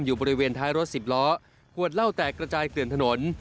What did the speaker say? อยู่บริเวณท้ายรถสิบล้อขวดเหล้าแตกกระจายเกลื่อนถนน